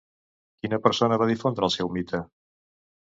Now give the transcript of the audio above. Quina persona va difondre el seu mite?